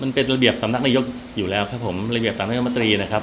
มันเป็นระเบียบสำนักนโยคอยู่แล้วครับครับผมระเบียบต่างจากธรรมตรีนะครับ